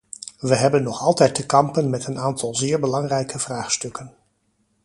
We hebben nog altijd te kampen met een aantal zeer belangrijke vraagstukken.